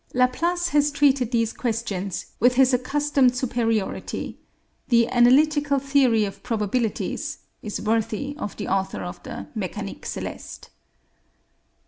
Laplace has treated these questions with his accustomed superiority: the 'Analytical Theory of Probabilities' is worthy of the author of the 'Mécanique Céleste.'